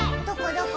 どこ？